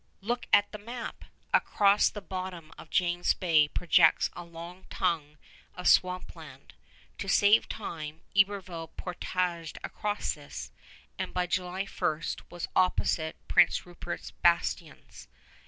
Look at the map! Across the bottom of James Bay projects a long tongue of swamp land. To save time, Iberville portaged across this, and by July 1 was opposite Prince Rupert's bastions.